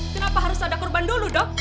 kenapa harus ada korban dulu dok